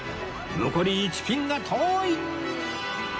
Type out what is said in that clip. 残り１ピンが遠い！